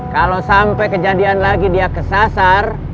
kalau sampai kejadian lagi dia kesasar